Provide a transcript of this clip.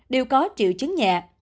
đều có triệu chứng nhẹ